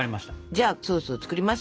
じゃあソースを作ります。